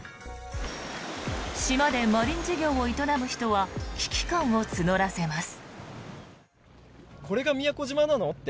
島でマリン事業を営む人は危機感を募らせます。